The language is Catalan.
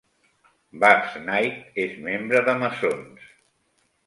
Basnight és membre de Masons.